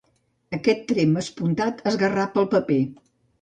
Aquest tremp espuntat esgarrapa el paper.